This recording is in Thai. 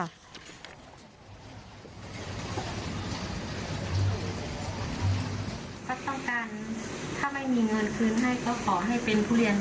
เขาต้องการถ้าไม่มีเงินคืนให้ก็ขอให้เป็นทุเรียน